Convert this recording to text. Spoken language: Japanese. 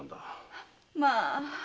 まあ。